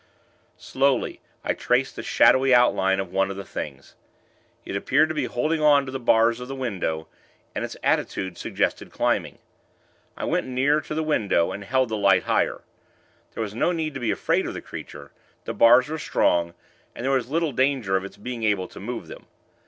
Slowly, I traced the shadowy outline of one of the Things. It appeared to be holding on to the bars of the window, and its attitude suggested climbing. I went nearer to the window, and held the light higher. There was no need to be afraid of the creature; the bars were strong, and there was little danger of its being able to move them.